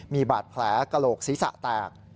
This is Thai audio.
มีบาดแผลกระโหลกศีรษะแตก